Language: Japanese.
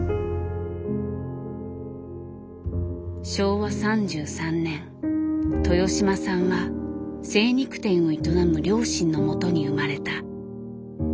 昭和３３年豊島さんは精肉店を営む両親のもとに生まれた。